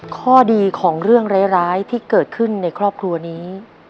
ข้อดีของเรื่องร้ายที่เกิดขึ้นในครอบครัวนี้